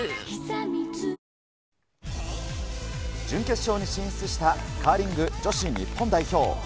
準決勝に進出したカーリング女子日本代表。